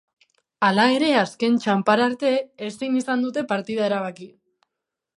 Hala ere, azken txanpara arte ezin izan dute partida erabaki.